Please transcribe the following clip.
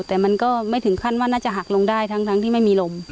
แต่มันก็ไม่ถึงขั้นว่าน่าจะหักลงได้ทั้งที่ไม่มีลม